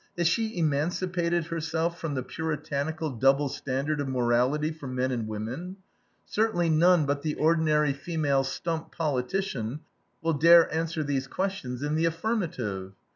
Has she emancipated herself from the Puritanical double standard of morality for men and women? Certainly none but the ordinary female stump politician will dare answer these questions in the affirmative.